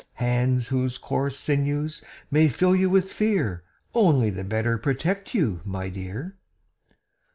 Hands whose coarse sinews may fill you with fear Only the better protect you, my dear!